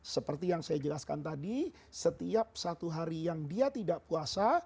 seperti yang saya jelaskan tadi setiap satu hari yang dia tidak puasa